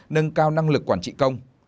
nâng cao năng lực quản trị công